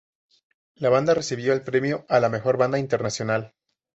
La banda recibió el premio a la Mejor Banda Internacional.